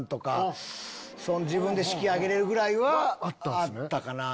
自分で式挙げれるぐらいはあったかな。